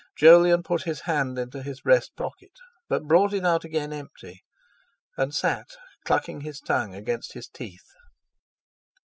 Jolyon put his hand into his breast pocket, but brought it out again empty, and sat, clucking his tongue against his teeth.